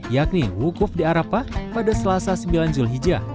yakni wukuf di arafah pada selasa sembilan julhijjah